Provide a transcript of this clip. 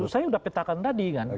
saya sudah petakan tadi kan